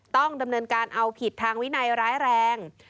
ต้องดำเนินการเอาผิดทางวินัยร้ายแรง